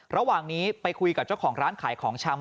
ระหว่างนี้ไปคุยกับเจ้าของร้านขายของชำ